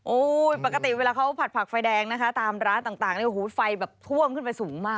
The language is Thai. ปกติเวลาเขาผัดผักไฟแดงนะคะตามร้านต่างเนี่ยโอ้โหไฟแบบท่วมขึ้นไปสูงมาก